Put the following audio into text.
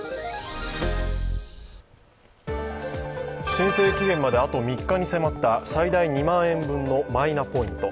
申請期限まであと３日に迫った最大２万円分のマイナポイント。